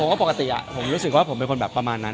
ก็ปกติผมรู้สึกว่าผมเป็นคนแบบประมาณนั้น